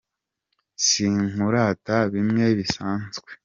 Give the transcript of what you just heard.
Sinkurata bimwe bisanzwe